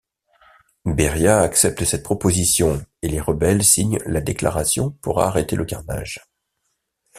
Beria accepte cette proposition et les rebelles signent la déclaration pour arrêter le carnage.